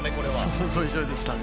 想像以上でしたね。